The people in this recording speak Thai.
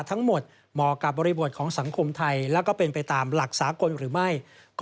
ทั้งหมดเหมาะกับบริบทของสังคมไทย